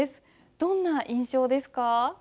どんな印象ですか？